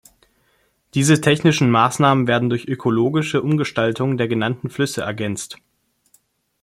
Diese technischen Maßnahmen werden durch ökologische Umgestaltungen der genannten Flüsse ergänzt.